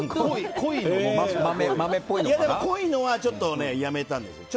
濃いのはちょっと、やめたんです。